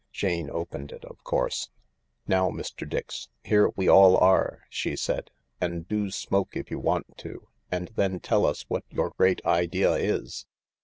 Jane opened it, of course. " Now, Mr. Dix, here we all are," she said, " and do smoke if you want to, and then tell us what your great idea is."